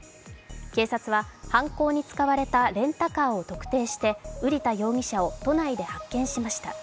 警察は犯行に使われたレンタカーを特定して瓜田容疑者を都内で発見しました。